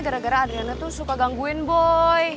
gara gara adriana tuh suka gangguin boy